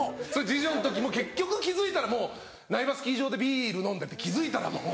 次女の時も結局気付いたらもう苗場スキー場でビール飲んでて気付いたらもう。